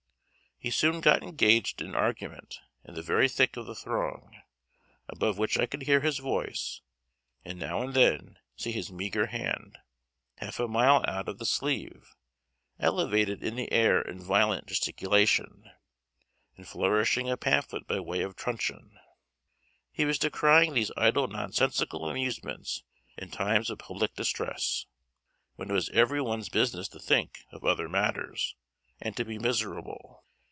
He soon got engaged in argument in the very thick of the throng, above which I could hear his voice, and now and then see his meagre hand, half a mile out of the sleeve, elevated in the air in violent gesticulation, and flourishing a pamphlet by way of truncheon. He was decrying these idle nonsensical amusements in times of public distress, when it was every one's business to think of other matters, and to be miserable.